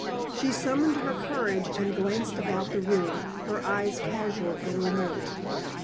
She summoned her courage and glanced about the room, her eyes casual and remote.